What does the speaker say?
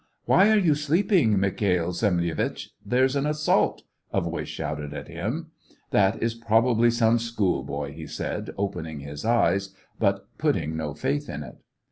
" Why are you sleeping, Mikha'fl Semyonitch ! There's an assault !" a voice shouted to him. "That is probably some school boy," he said, opening his eyes, but putting no faith in it.